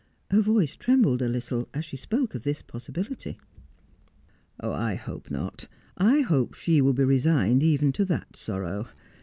Her voice trembled a little as she spoke of this possibility. ' I hope not. I hope she will be resigned even to that sorrow.